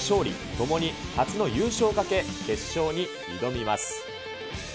ともに初の優勝をかけ、決勝に挑みます。